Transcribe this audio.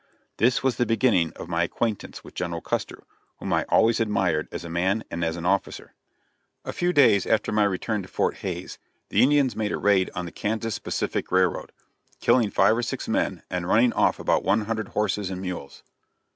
This was the beginning of my acquaintance with General Custer, whom I always admired as a man and as an officer. [Illustration: GENERAL CUSTER] A few days after my return to Fort Hays, the Indians made a raid on the Kansas Pacific Railroad, killing five or six men and running off about one hundred horses and mules.